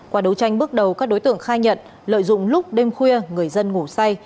qua đấu tranh bước đầu các đối tượng khai nhận lợi dụng lúc đêm khuya người dân ngủ say